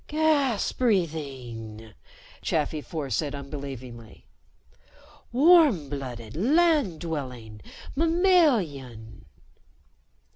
"Gas breathing!" Chafi Four said unbelievingly. "Warm blooded, land dwelling, mammalian!"